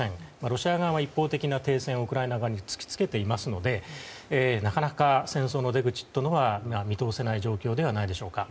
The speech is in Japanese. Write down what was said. ロシア側は、一方的な停戦をウクライナ側に突き付けていますのでなかなか戦争の出口というのは見通せない状況ではないでしょうか。